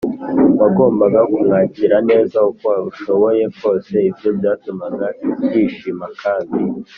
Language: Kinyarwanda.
wagombaga kumwakira neza uko ushoboye kose. ibyo byatumaga yishima kandi